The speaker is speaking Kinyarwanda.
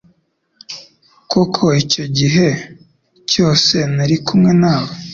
Koko icyo gihe cyose nari kumwe nawe